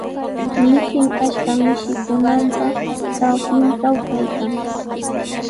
Mishin achka mishikunapa trawpintraw kaykan.